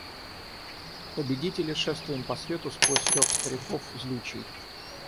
Победители, шествуем по свету сквозь рев стариков злючий.